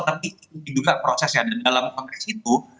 tapi juga proses yang ada dalam konteks itu